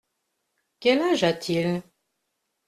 Quel âge a-t-il ?